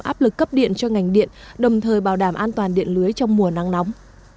áp lực cấp điện cho ngành điện đồng thời bảo đảm an toàn điện lưới trong mùa nắng nóng